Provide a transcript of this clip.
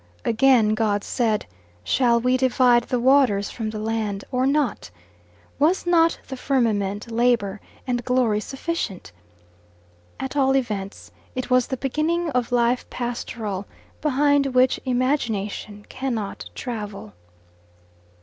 Again God said, "Shall we divide the waters from the land or not? Was not the firmament labour and glory sufficient?" At all events it was the beginning of life pastoral, behind which imagination cannot travel.